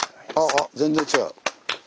ああ全然違う。